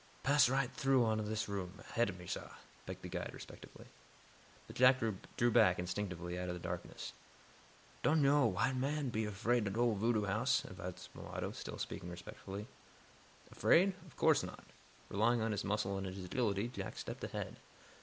"Pass right on through dis room, ahead ob me, sah," begged the guide, respectfully. But Jack drew back, instinctively, out of the darkness. "Don' yo', a w'ite man, be 'fraid ob ole voodoo house," advised the mulatto, still speaking respectfully. Afraid? Of course not. Relying on his muscle and his agility, Jack stepped ahead.